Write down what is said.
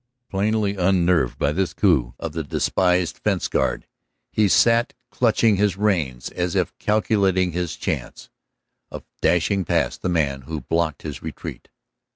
Plainly unnerved by this coup of the despised fence guard, he sat clutching his reins as if calculating his chance of dashing past the man who blocked his retreat.